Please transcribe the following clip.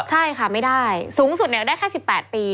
ใช่ค่ะไม่ได้สูงสุดได้แค่๑๘ปี